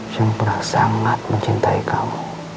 yang pernah sangat mencintai kamu